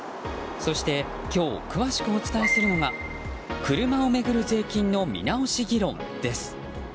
そして今日、詳しくお伝えするのが車をめぐる税金の見直し議論です。